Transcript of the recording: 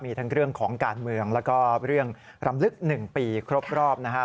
มีทั้งเรื่องของการเมืองแล้วก็เรื่องรำลึก๑ปีครบรอบนะครับ